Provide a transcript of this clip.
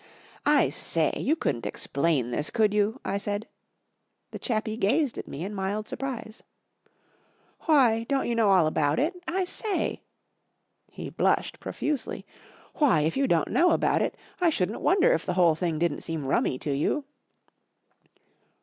" I say, you couldn't explain this, could you ?" I said. The chappie gazed at me in mild surprise. " Why. don't you know all about it ? I say! " He blushed profusely. "Why, if you don't know about it, I shouldn't wonder if the whole thing didn't seem rummy to you."